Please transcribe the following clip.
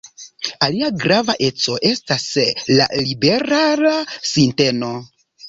Alia grava eco estas la liberala sinteno.